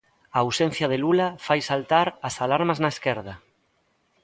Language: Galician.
A ausencia de Lula fai saltar as alarmas na esquerda.